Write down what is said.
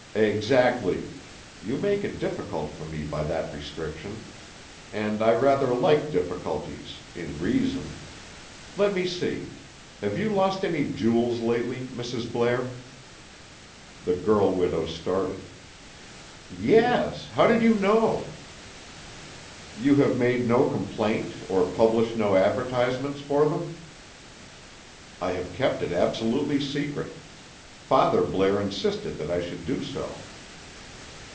"Exactly. You make it difficult for me by that restriction. And I rather like difficulties—in reason. Let me see. Have you lost any jewels lately, Mrs. Blair?" The girl widow started. "Yes. How did you know?" "You have made no complaint, or published no advertisements for them?" "I have kept it absolutely secret. Father Blair insisted that I should do so."